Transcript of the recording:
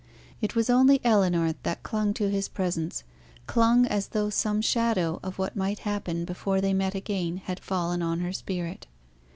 It was only Ellinor that clung to his presence clung as though some shadow of what might happen before they met again had fallen on her spirit.